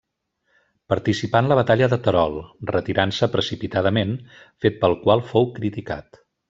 Participà en la batalla de Terol, retirant-se precipitadament, fet pel qual fou criticat.